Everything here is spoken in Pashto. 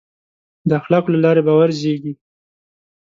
د اخلاقو له لارې باور زېږي.